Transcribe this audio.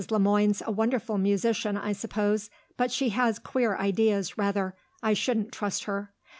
Le Moine's a wonderful musician, I suppose, but she has queer ideas, rather; I shouldn't trust her.